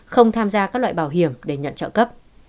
không tham gia các loại bảo hiểm để nhận trợ cấp